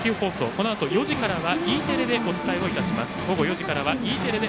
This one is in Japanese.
このあと４時からはＥテレでお伝えをいたします。